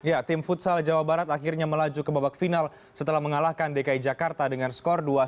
ya tim futsal jawa barat akhirnya melaju ke babak final setelah mengalahkan dki jakarta dengan skor dua satu